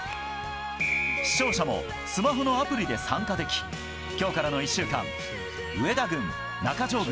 視聴者もスマホのアプリで参加でき今日からの１週間上田軍、中条軍